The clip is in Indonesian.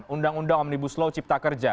undang undang omnibus law cipta kerja